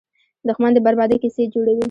دښمن د بربادۍ کیسې جوړوي